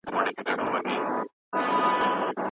څوک د تاریخي اثارو ساتنه کوي؟